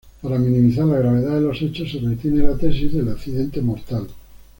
Para minimizar la gravedad de los hechos, se retiene la tesis del accidente mortal.